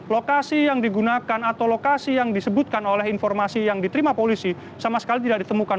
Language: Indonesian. lokasi yang digunakan atau lokasi yang disebutkan oleh informasi yang diterima polisi sama sekali tidak ditemukan